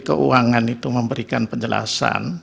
keuangan itu memberikan penjelasan